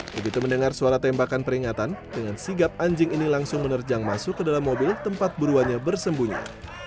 begitu mendengar suara tembakan peringatan dengan sigap anjing ini langsung menerjang masuk ke dalam mobil tempat buruannya bersembunyi